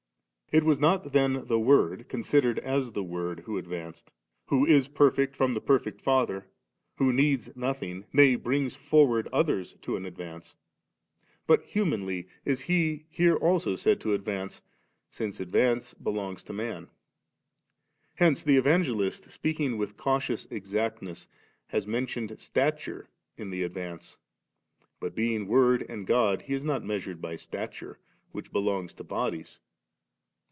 It was not then the Word» considered as the Word, who advanced; who is perfect from the perfect Father ^ who needs nothing, nay brings for ward others to an advance; but humanly is He here also said to advance, since advance belongs to man^ Hence the Evangelist, speaking with cautious exactness*, has men tioned stature in the advance; but being Word and God He is not measured by stature, which belongs to bodies.